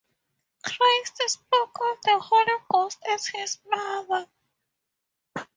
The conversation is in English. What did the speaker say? Christ spoke of the Holy Ghost as his mother.